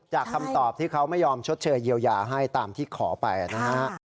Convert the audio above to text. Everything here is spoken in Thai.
คำตอบที่เขาไม่ยอมชดเชยเยียวยาให้ตามที่ขอไปนะฮะ